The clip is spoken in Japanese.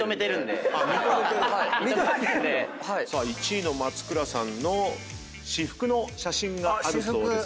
１位の松倉さんの私服の写真があるそうです。